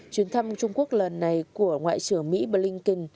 chuyến thăm trung quốc lần này của ngoại trưởng mỹ blinken